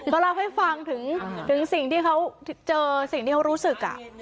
ก็เล่าให้ฟังถึงสิ่งที่เขาเจอสิ่งที่เขารู้สึก